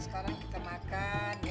sekarang kita makan